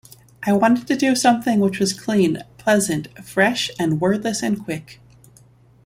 I wanted to do something which was clean, pleasant, fresh and wordless and quick.